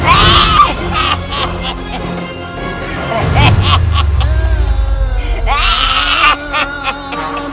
kau akan menang